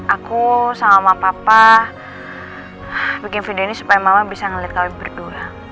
aku sama mama papa bikin video ini supaya mama bisa ngelihat kami berdua